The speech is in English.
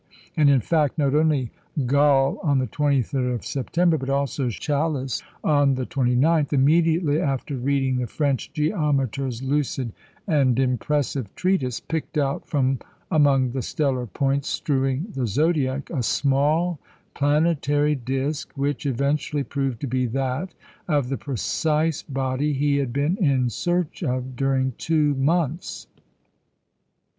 " And in fact, not only Galle on the 23rd of September, but also Challis on the 29th, immediately after reading the French geometer's lucid and impressive treatise, picked out from among the stellar points strewing the zodiac, a small planetary disc, which eventually proved to be that of the precise body he had been in search of during two months.